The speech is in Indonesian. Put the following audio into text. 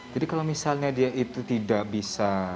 jadi kalau misalnya dia itu tidak bisa